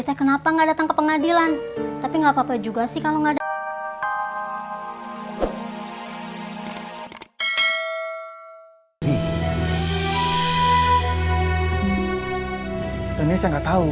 saya kenapa nggak datang ke pengadilan tapi nggak papa juga sih kalau nggak ada dan saya nggak tahu